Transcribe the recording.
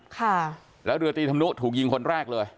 ค่ะแล้วเรือตีธรรมนุถูกยิงคนแรกเลย